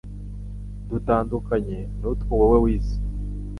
dutandukanye nutwo wowe wize